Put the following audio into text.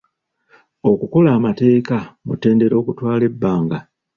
Okukola amateeka mutendera ogutwala ebbanga.